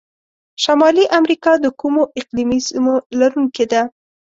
شمالي امریکا د کومو اقلیمي سیمو لرونکي ده؟